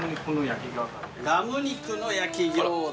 ラム肉の焼き餃子。